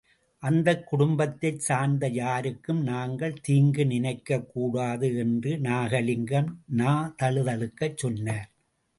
அந்த குடும்பத்தைச் சார்ந்த யாருக்கும் நாங்கள் தீங்கு நினைக்கக் கூடாது என்று நாகலிங்கம் நா தழுதழுக்கச் சொன்னார்.